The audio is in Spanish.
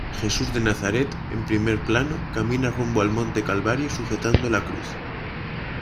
Jesús de Nazaret, en primer plano, camina rumbo al Monte Calvario sujetando la cruz.